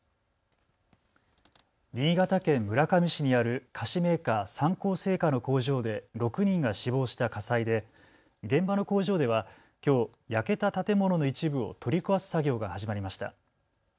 新潟県村上市にある菓子メーカー、三幸製菓の工場で６人が死亡した火災で現場の工場ではきょう焼けた建物の一部を取り壊す作業が始まりました。